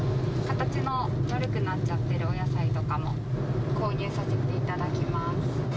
形の悪くなっちゃってるお野菜とかも、購入させていただきます。